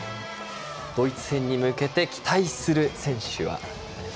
ドイツ戦に向けて期待する選手は？